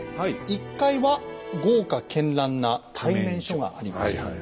１階は豪華絢爛な対面所がありました。